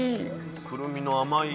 くるみの甘い。